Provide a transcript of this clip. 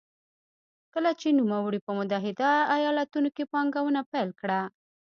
کله چې نوموړي په متحده ایالتونو کې پانګونه پیل کړه.